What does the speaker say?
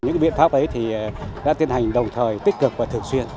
những biện pháp ấy thì đã tiến hành đồng thời tích cực và thường xuyên